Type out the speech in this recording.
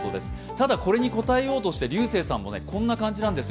ただこれに応えようとして龍征さんもこんな感じなんです。